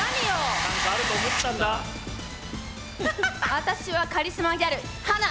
私はカリスマギャル、華。